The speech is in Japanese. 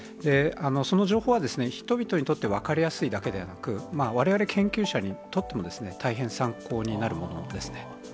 その情報は、人々にとって分かりやすいだけではなく、われわれ研究者にとっても、大変参考になるものですね。